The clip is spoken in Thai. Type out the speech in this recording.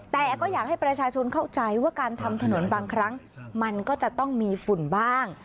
แต่ก็อยากให้ประชาชนเข้าใจว่าการทำถนนบางครั้งมันก็จะต้องมีฝุ่นบ้าง